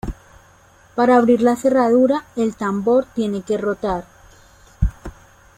Para abrir la cerradura, el tambor tiene que rotar.